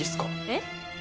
えっ？